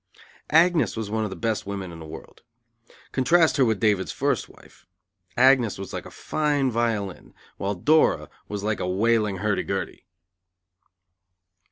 Agnes was one of the best women in the world. Contrast her with David's first wife. Agnes was like a fine violin, while Dora was like a wailing hurdy gurdy.